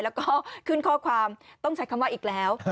แล้วก็ขึ้นข้อความต้องใช้คำว่าอีกแล้ว